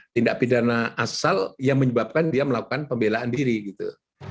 tindak pidana asal yang menyebabkan dia melakukan pembelaan diri gitu